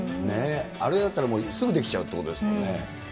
あれだったら、すぐできちゃうということですもんね。